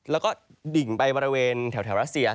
แล้วก็ดิ่งไปบริเวณแถวรัสเซีย